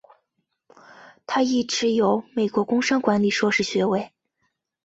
他亦持有美国工商管理硕士学位。